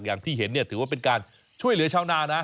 อย่างที่เห็นเนี่ยถือว่าเป็นการช่วยเหลือชาวนานะ